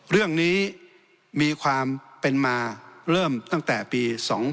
เรื่องนี้มีความเป็นมาเริ่มตั้งแต่ปี๒๕๖